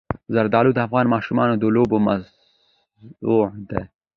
زردالو د افغان ماشومانو د لوبو موضوع ده.